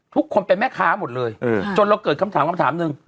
ทุกคนเป็นแม่ค้าหมดเลยจนเราเกิดคำถามนึง